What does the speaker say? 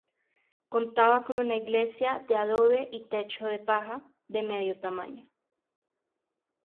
Contaba con una iglesia de adobe y techo de paja, de mediano tamaño.